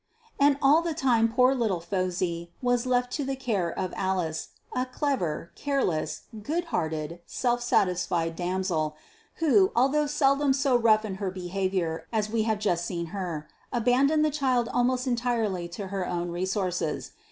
And all the time poor little Phosy was left to the care of Alice, a clever, careless, good hearted, self satisfied damsel, who, although seldom so rough in her behaviour as we have just seen her, abandoned the child almost entirely to her own resources.